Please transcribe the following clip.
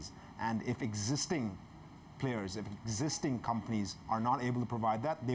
dan jika pemain yang ada jika perusahaan yang ada tidak dapat memberikan itu